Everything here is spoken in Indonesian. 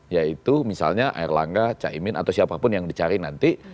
yaitu misalnya erlangga caimin atau siapapun yang dicari nanti